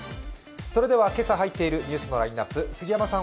それでは今朝入っているニュースのラインナップ、杉山さん